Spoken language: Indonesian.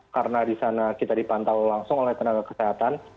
karena di sana kita dipantau langsung oleh tenaga kesehatan